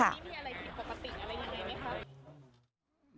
มีอะไรที่ปกติอะไรอย่างนี้ไหมครับ